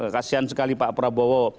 kasian sekali pak prabowo